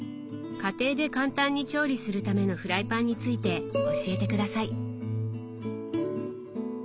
家庭で簡単に調理するためのフライパンについて教えて下さい。